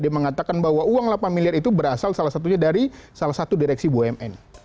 dia mengatakan bahwa uang delapan miliar itu berasal salah satunya dari salah satu direksi bumn